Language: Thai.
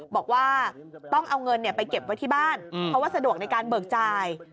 บอกว่าต้องเอาเงินไปเก็บไว้ที่บ้านเพราะว่าสะดวกในการเบิกจ่าย